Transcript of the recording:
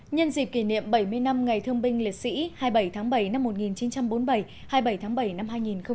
nhân dịp kỷ niệm bảy mươi năm ngày thương binh liệt sĩ hai mươi bảy tháng bảy năm một nghìn chín trăm bốn mươi bảy hai mươi bảy tháng bảy năm hai nghìn một mươi chín